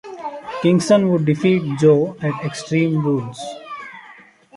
Kingston would defeat Joe at Extreme Rules.